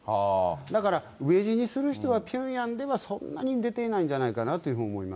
だから、飢え死にする人はピョンヤンでは、そんなに出ていないんじゃないかなというふうに思います。